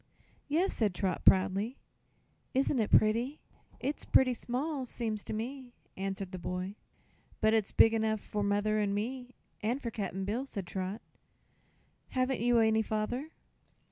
"Yes," said Trot, proudly. "Isn't it pretty?" "It's pretty small, seems to me," answered the boy. "But it's big enough for mother and me, an' for Cap'n Bill," said Trot. "Haven't you any father?"